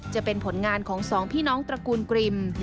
จะเป็นผลงานของสองพี่น้องตระกูลกริม